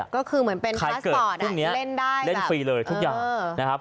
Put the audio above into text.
ก็คือเหมือนเป็นพาสปอร์ตเล่นได้เล่นฟรีเลยทุกอย่างนะครับ